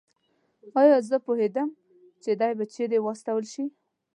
ایا زه پوهېدم چې دی به چېرې واستول شي؟